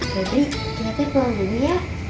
febri hati hati pulang dulu ya